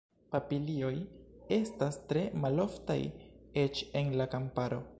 Papilioj estas tre maloftaj, eĉ en la kamparo.